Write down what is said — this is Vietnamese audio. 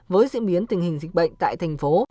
với diễn biến tình hình dịch bệnh tại thành phố